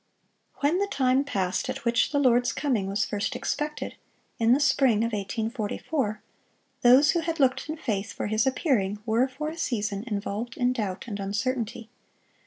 ] When the time passed at which the Lord's coming was first expected,—in the spring of 1844,—those who had looked in faith for His appearing were for a season involved in doubt and uncertainty.